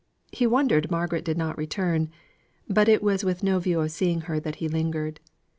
He wondered Margaret did not return; but it was with no view of seeing her that he lingered.